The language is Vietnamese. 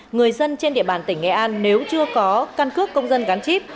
người dân trên địa bàn tỉnh nghệ an nếu chưa có căn cước công dân gắn chip